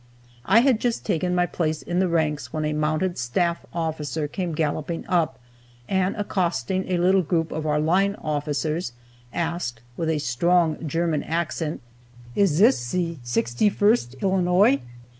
I had just taken my place in the ranks when a mounted staff officer came galloping up, and accosting a little group of our line officers, asked, with a strong German accent, "Iss ziss ze 61st Illinois?"